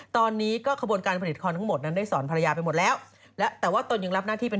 ตอนนี้ก็ขบวนการผลิตคอนทั้งหมดนั้นได้สอนภรรยาไปหมดแล้วแล้วแต่ว่าตนยังรับหน้าที่เป็น